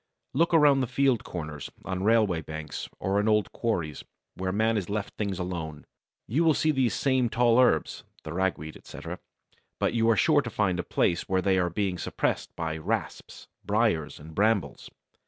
Look around the field corners, on railway banks, or in old quarries, where man has left things alone. You will see these same tall herbs (the Ragweed, etc.), but you are sure to find a place where they are being suppressed by Rasps, Briers, and Brambles.